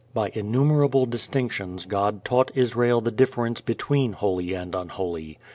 By innumerable distinctions God taught Israel the difference between holy and unholy.